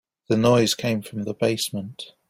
The noise came from the basement.